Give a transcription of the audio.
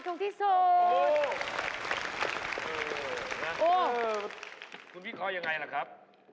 คุณพี่คอร์ยังไงล่ะครับ